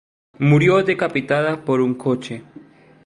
Murió decapitada por un coche.